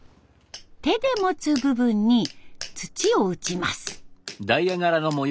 手で持つ部分に槌を打ちます。